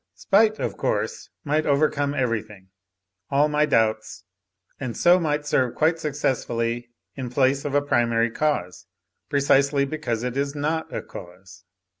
Spite, of course, might overcome everything, all my doubts, arid so might serve quite successfully in place of a primary cause, precisely because it is not a cause.